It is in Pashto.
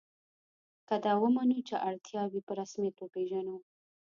که دا ومنو چې اړتیاوې په رسمیت وپېژنو.